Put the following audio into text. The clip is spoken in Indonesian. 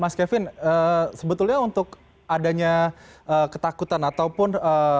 mas kevin sebetulnya untuk adanya ketakutan ataupun sebuah kesalahan ya